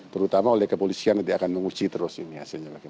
terutama oleh kepolisian nanti akan menguji terus ini hasilnya